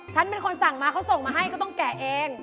ฉันเป็นคนสั่งมาเขาส่งมาให้ก็ต้องแกะเอง